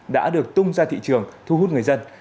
đã được tung ra thị trường thu hút người dân